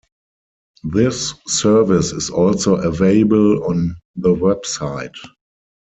This service is also available on the website.